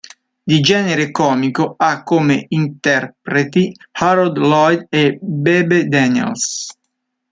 Di genere comico, ha come interpreti Harold Lloyd e Bebe Daniels.